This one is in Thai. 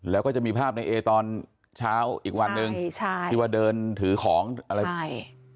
แล้วก็จะมีภาพในเอตอนเช้าอีกวันหนึ่งที่ว่าเดินถือของอะไรใช่